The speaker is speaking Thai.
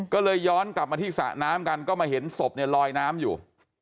ก็เลยย้อนกลับมาที่สระน้ำกันก็มาเห็นศพเนี่ยลอยน้ำอยู่